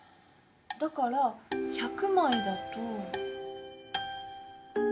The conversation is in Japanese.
だから１００枚だと。